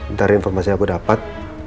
ntar informasi yang aku dapat